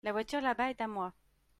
La voiture là-bas est à moi.